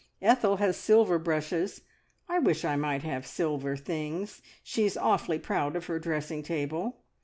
Ethel has silver brushes. I wish I might have silver things. She is awfully proud of her dressing table.